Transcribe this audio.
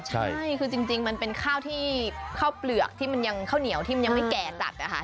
ใช่คือจริงมันเป็นข้าวที่ข้าวเปลือกที่มันยังข้าวเหนียวที่มันยังไม่แก่จัดนะคะ